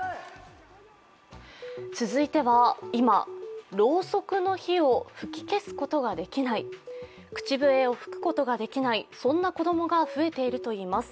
続いては今、ろうそくの火を吹き消すことができない、口笛を吹くことができない、そんな子供が増えているといいます。